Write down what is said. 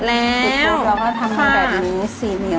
ติดแล้วเราก็ทำมือแบบนี้สี่เหนียว